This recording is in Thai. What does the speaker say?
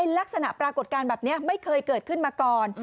ลักษณะปรากฏการณ์แบบนี้ไม่เคยเกิดขึ้นมาก่อน